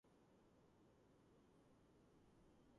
მდებარეობს მარნეულის ვაკეზე, მდინარე ხრამის მარცხენა მხარეს.